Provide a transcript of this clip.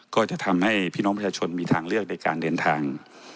ก็จะทำให้พี่น้องประชาชนมีทางเลือกในการเดินทาง